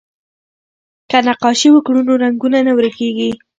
که نقاشي وکړو نو رنګونه نه ورکيږي.